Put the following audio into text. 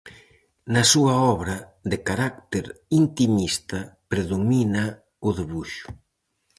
Na súa obra, de carácter intimista, predomina o debuxo.